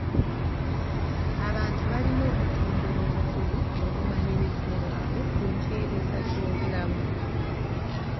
Abantu balina okutumbula obukugu n'obumanyirivu bwabwe ku mpeereza z'obulamu.